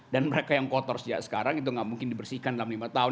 dan mereka yang kotor sekarang itu enggak mungkin dibersihkan dalam lima tahun